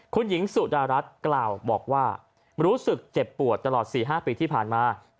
คุณหญิงสุดารัฐกล่าวบอกว่ารู้สึกเจ็บปวดตลอด๔๕ปีที่ผ่านมา